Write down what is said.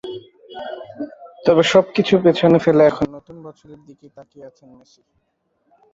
তবে সবকিছু পেছনে ফেলে এখন নতুন বছরের দিকেই তাকিয়ে আছেন মেসি।